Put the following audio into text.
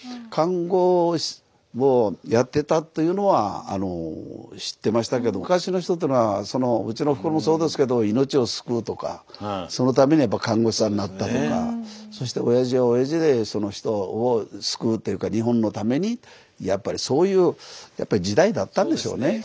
看護師をやってたというのは知ってましたけれど昔の人っていうのはそのうちのおふくろもそうですけど命を救うとかそのためにやっぱり看護師さんなったとかそしておやじはおやじでその人を救うっていうか日本のためにやっぱりそういう時代だったんでしょうね。